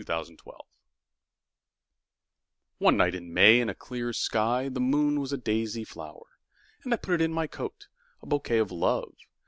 My Flower ONE night in May in a clear skyThe moon was a daisy flower:And! put it in my coat,A bouquet of Love!